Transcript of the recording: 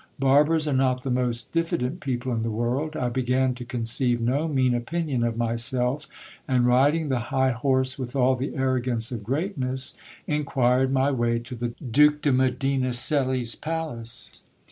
Barbers are not the most diffi dent people in the world. I began to conceive no mean opinion of myself ; and riding the high horse with all the arrogance of greatness, inquired my way to the Duke de Medina Celi's palace.